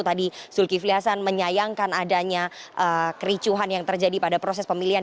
tadi zulkifli hasan menyayangkan adanya kericuhan yang terjadi pada proses pemilihan